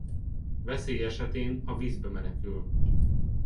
Veszély esetén a vízbe menekül.